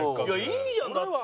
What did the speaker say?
いいじゃんだって。